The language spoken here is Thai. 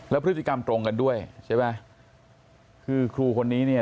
พฤติกรรมตรงกันด้วยใช่ไหมคือครูคนนี้เนี่ย